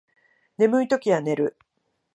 眠いときは寝る